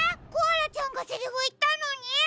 コアラちゃんがセリフいったのに！？